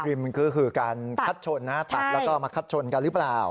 ก็คือการคัดชนนะตัดแล้วก็มาคัดชนกันหรือเปล่า